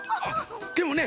でもね